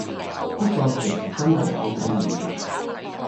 不過其實真係好睇緣份